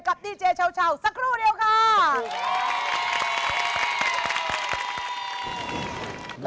เจอกับดีเจเช่าสักครู่เดียวค่ะ